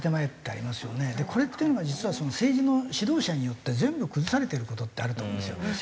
これっていうのが実は政治の指導者によって全部崩されてる事ってあると思うんですよ。